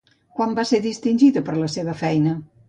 Quan va ser distingida per la seva feina?